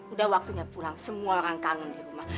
udah waktunya pulang semua orang kangen di rumah